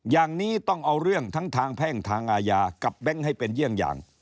อย่างนี้ต้องเอาเรื่องทั้งทางแพ่งทางอาญากับแบงค์ให้เป็นเยี่ยงอย่าง